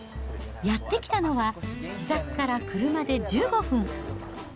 やって来たのは、自宅から車で１５分。